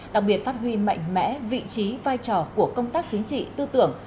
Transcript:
đặc biệt phát huy mạnh mẽ vị trí vai trò của công tác chính trị tư tưởng